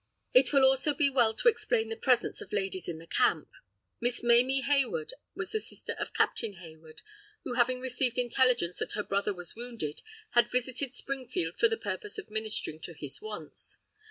It will also be well to explain the presence of ladies in the camp. Miss Mamie Hayward was the sister of Captain Hayward, who, having received intelligence that her brother was wounded, had visited Springfield for the purpose of ministering to his wants.